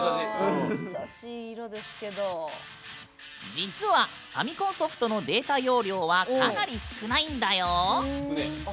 実はファミコンソフトのデータ容量はかなり少ないんだよ。